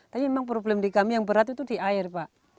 tapi memang problem di kami yang berat itu di air pak